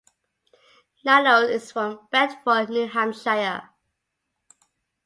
Nanos is from Bedford, New Hampshire.